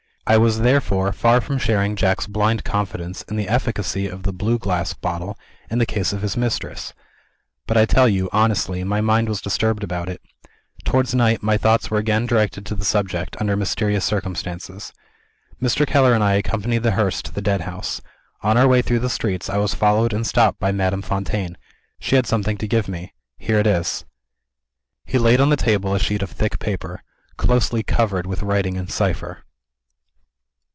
I was, therefore, far from sharing Jack's blind confidence in the efficacy of the blue glass bottle, in the case of his mistress. But I tell you, honestly, my mind was disturbed about it. Towards night, my thoughts were again directed to the subject, under mysterious circumstances. Mr. Keller and I accompanied the hearse to the Deadhouse. On our way through the streets, I was followed and stopped by Madame Fontaine. She had something to give me. Here it is." He laid on the table a sheet of thick paper, closely covered with writing in cipher.